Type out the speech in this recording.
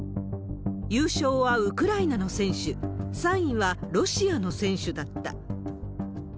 優勝はウクライナの選手、３位はロシアの選手だった。